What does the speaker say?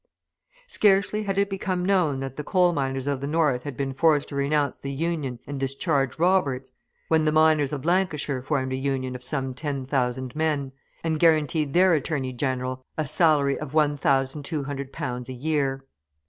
Scarcely had it become known that the coal miners of the North had been forced to renounce the Union and discharge Roberts, when the miners of Lancashire formed a Union of some ten thousand men, and guaranteed their Attorney General a salary of 1200 pounds a year.